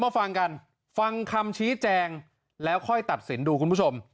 ฟังกันฟังคำชี้แจงแล้วค่อยตัดสินดูคุณผู้ชม